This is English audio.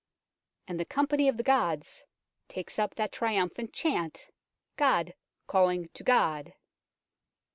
And the company of the gods takes up the triumphant chant, god calling to god.